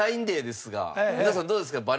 皆さんどうですか？